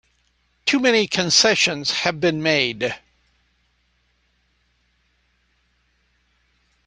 Too many concessions have been made!